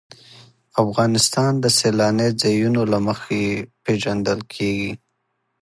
افغانستان د سیلانی ځایونه له مخې پېژندل کېږي.